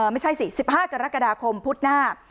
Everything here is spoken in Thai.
ไม่ใช่สิ๑๕กรกฎาคมพุธหน้า